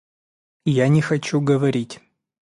Я не хочу говорить.